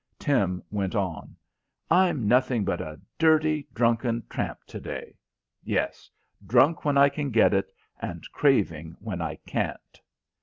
Tim went on, "I'm nothing but a dirty, drunken tramp to day. Yes, drunk when I can get it and craving when I can't.